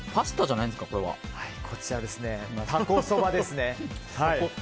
こちらはタコそばですね。